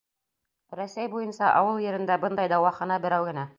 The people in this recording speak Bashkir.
Рәсәй буйынса ауыл ерендә бындай дауахана берәү генә.